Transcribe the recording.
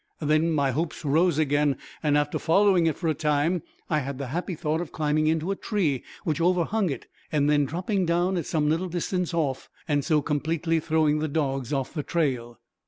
Then my hopes rose again; and after following it, for a time, I had the happy thought of climbing into a tree which overhung it, and then dropping down at some little distance off, and so completely throwing the dogs off the trail."